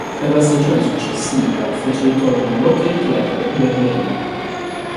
Per la stagione successiva fece ritorno all'Hockey Club Gherdëina.